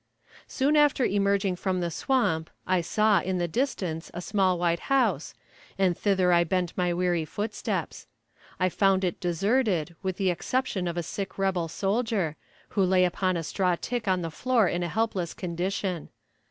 Soon after emerging from the swamp I saw, in the distance, a small white house, and thither I bent my weary footsteps. I found it deserted, with the exception of a sick rebel soldier, who lay upon a straw tick on the floor in a helpless condition.